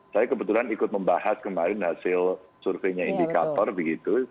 saya kebetulan ikut membahas kemarin hasil surveinya indikator begitu